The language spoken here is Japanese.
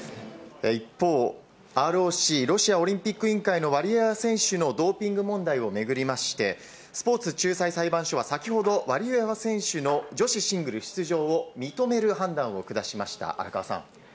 一方、ＲＯＣ・ロシアオリンピック委員会のワリエワ選手のドーピング問題を巡りまして、スポーツ仲裁裁判所は先ほど、ワリエワ選手の女子シングル出場を認める判断を下しました。